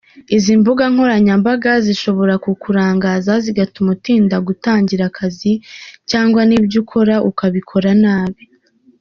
Izi mbugankoranyambaga zishobora kukurangaza zigatuma utinda gutangira akazi cyangwa n’ibyo ukora ukabikora nabi.